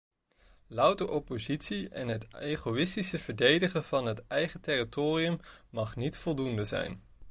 Louter oppositie en het egoïstisch verdedigen van het eigen territorium mag niet voldoende zijn.